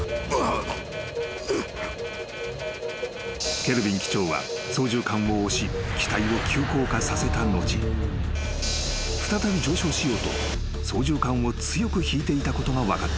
［ケルヴィン機長は操縦かんを押し機体を急降下させた後再び上昇しようと操縦かんを強く引いていたことが分かった］